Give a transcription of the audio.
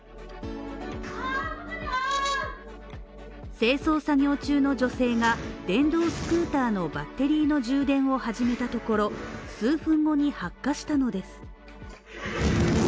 清掃作業中の女性が電動スクーターのバッテリーの充電を始めたところ、数分後に発火したのです。